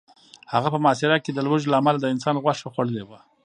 هغه په محاصره کې د لوږې له امله د انسان غوښه خوړلې وه